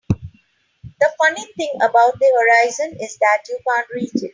The funny thing about the horizon is that you can't reach it.